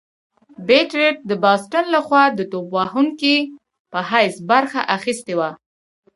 بېب رت د باسټن لخوا د توپ وهونکي په حیث برخه اخیستې وه.